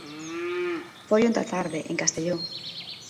Foi onte á tarde en Castelló.